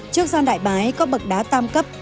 trước gian đại bái có bậc đá ba cấp